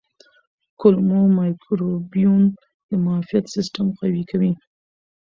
کولمو مایکروبیوم د معافیت سیستم قوي کوي.